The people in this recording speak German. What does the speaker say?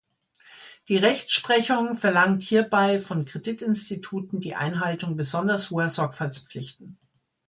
Die Rechtsprechung verlangt hierbei von Kreditinstituten die Einhaltung besonders hoher Sorgfaltspflichten.